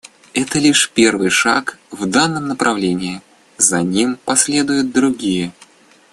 Это лишь первый шаг в данном направлении; за ним последуют другие.